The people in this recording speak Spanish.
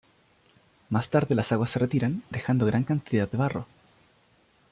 Más tarde las aguas se retiran, dejando gran cantidad de barro.